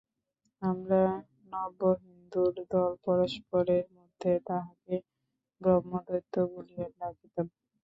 আমরা নব্যহিন্দুর দল পরস্পরের মধ্যে তাঁহাকে ব্রহ্মদৈত্য বলিয়া ডাকিতাম।